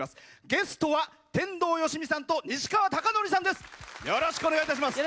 ゲストは天童よしみさんと西川貴教さんです。